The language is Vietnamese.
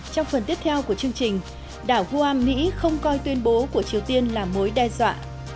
trong phần tiếp theo của chương trình đảo huam mỹ không coi tuyên bố của triều tiên là mối đe dọa